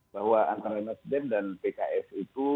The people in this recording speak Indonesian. bahwa antara nasdem dan pks itu